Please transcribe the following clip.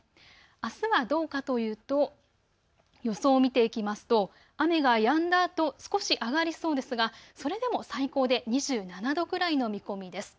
あすはどうかというと予想を見ていきますと雨がやんだあと少し上がりそうですが、それでも最高で２７度くらいの見込みです。